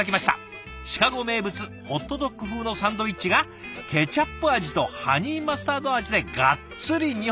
シカゴ名物ホットドッグ風のサンドイッチがケチャップ味とハニーマスタード味でガッツリ２本！